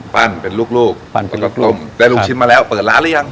ปั้นเป็นลูกลูกปั้นเป็นรสกลมได้ลูกชิ้นมาแล้วเปิดร้านหรือยัง